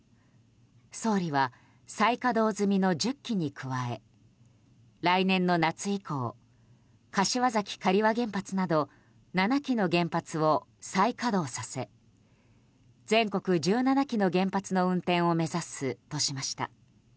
総理は再稼働済みの１０基に加え来年の夏以降、柏崎刈羽原発など７基の原発を再稼働させ全国１７基の原発の運転を目指すとしました。